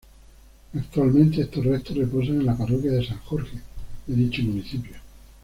Actualmente estos restos reposan en la Parroquia de San Jorge de dicho municipio.